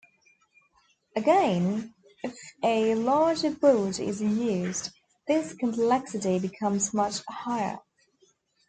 Again, if a larger board is used, this complexity becomes much higher.